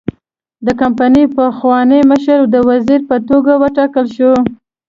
د کمپنۍ پخوانی مشر د وزیر په توګه وټاکل شو.